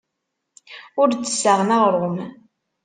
Ur d-ssaɣen aɣrum.